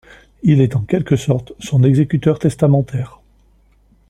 Il est en quelque sorte son exécuteur testamentaire.